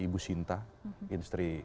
ibu shinta industri